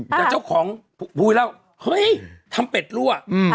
แต่เจ้าของภูวิเล่าเฮ้ยทำเป็ดรั่ว